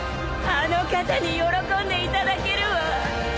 あの方に喜んでいただけるわ。